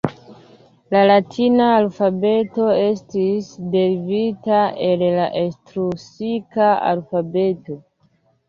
La Latina alfabeto estis derivita el la Etruska alfabeto.